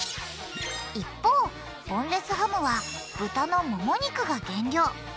一方ボンレスハムはブタのもも肉が原料。